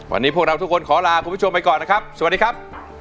วันนี้พวกเราทุกคนขอลาคุณผู้ชมไปก่อนนะครับสวัสดีครับ